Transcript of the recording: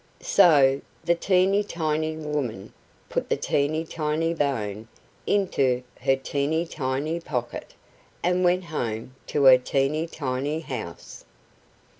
So the teeny tiny woman put the teeny tiny bone into her teeny tiny pocket, and went home to her teeny tiny house.